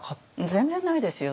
全然ないですよ。